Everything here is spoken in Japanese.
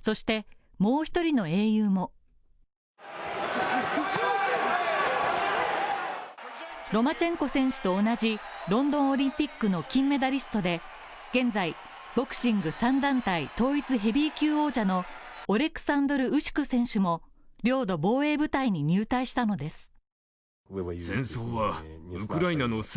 そして、もう一人の英雄もロマチェンコ選手と同じロンドンオリンピックの金メダリストで現在ボクシング３団体統一ヘビー級王者のオレクサンドル・ウシク選手も領土防衛部隊に入隊したのです。